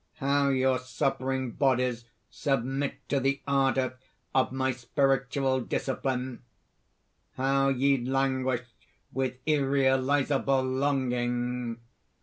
how your suffering bodies submit to the ardor of my spiritual discipline! how ye languish with irrealizable longing!